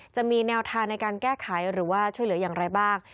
จะมีแนวทางในการแก้ไขหรือว่าช่วยเหลืออย่างไรบ้าง